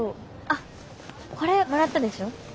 あこれもらったでしょ？